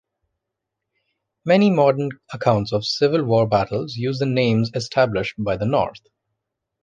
Many modern accounts of Civil War battles use the names established by the North.